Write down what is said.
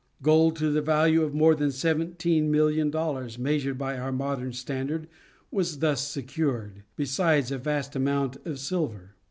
Gold to the value of more than seventeen million dollars, measured by our modern standard, was thus secured, besides a vast amount of silver.